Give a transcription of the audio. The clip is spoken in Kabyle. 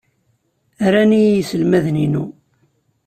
Ran-iyi yiselmaden-inu.